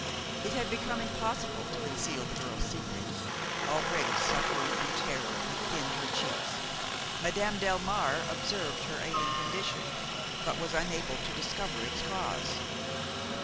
It had become impossible to conceal the girl's secret. Already suffering and terror had thinned her cheeks. Madame Delmare observed her ailing condition, but was unable to discover its cause.